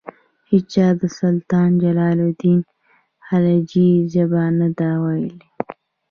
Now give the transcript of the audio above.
هیچا د سلطان جلال الدین خلجي ژبه نه ده ویلي.